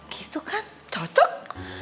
gitu kan cocok